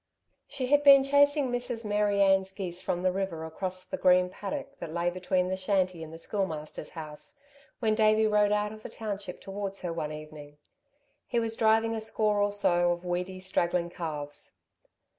She had been chasing Mrs. Mary Ann's geese from the river across the green paddock that lay between the shanty and the Schoolmaster's house, when Davey rode out of the township towards her, one evening. He was driving a score or so of weedy, straggling calves.